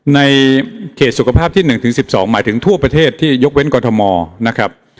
ในเขตสุขภาพที่๑๑๒หมายถึงทั่วประเทศที่ยกเว้นกรทมนะครับ